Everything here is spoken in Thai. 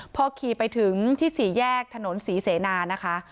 พอขี่ไปถึงที่สี่แยกถนนศรีเสนานะคะ